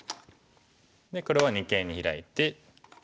で黒は二間にヒラいて。